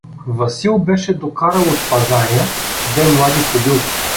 Васил беше докарал от пазаря две млади кобилки.